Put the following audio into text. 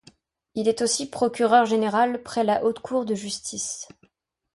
Il est aussi procureur général près la Haute Cour de Justice.